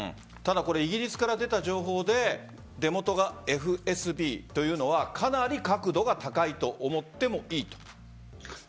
イギリスから出た情報で出元がＦＳＢというのはかなり確度が高いと思ってもいいと？